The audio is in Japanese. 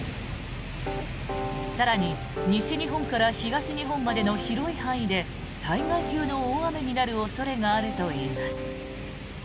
更に西日本から東日本までの広い範囲で災害級の大雨になる恐れがあるといいます。